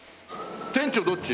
店長どっち？